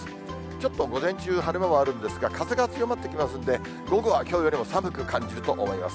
ちょっと午前中、晴れ間もあるんですが、風が強まってきますんで、午後はきょうよりも寒く感じると思います。